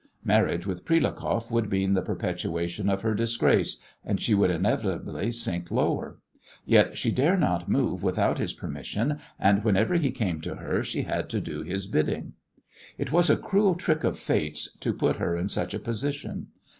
Marriage with Prilukoff would mean the perpetuation of her disgrace, and she would inevitably sink lower; yet she dare not move without his permission, and whenever he came to her she had to do his bidding. It was a cruel trick of Fate's to put her in such a position.